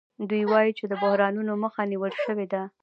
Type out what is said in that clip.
دوی وايي چې د بحرانونو مخه نیول شوې ده